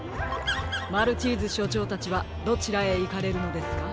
マルチーズしょちょうたちはどちらへいかれるのですか？